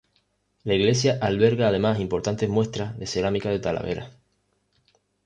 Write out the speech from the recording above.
La iglesia alberga además importantes muestras de cerámica de Talavera.